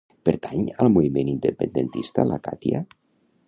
Pertany al moviment independentista la Katya?